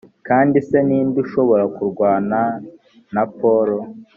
kandi se ni nde ushobora kurwana na polo